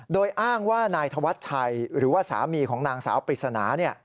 โดยอ้างว่านายธวัชชัยหรือว่าสามีของนางสาวปริศนา